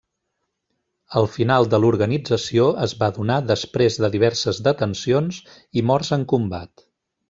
El final de l'organització es va donar després de diverses detencions i morts en combat.